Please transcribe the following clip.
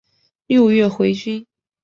六月回军。